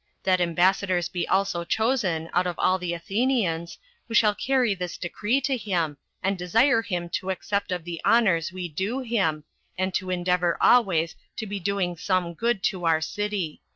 That ambassadors be also chosen out of all the Athenians, who shall carry this decree to him, and desire him to accept of the honors we do him, and to endeavor always to be doing some good to our city."